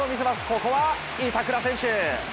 ここは板倉選手。